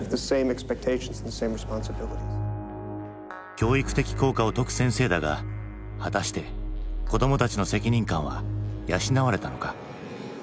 教育的効果を説く先生だが果たして子どもたちの責任感は養われたのか？